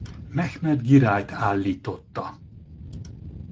Mehmed Girájt állította.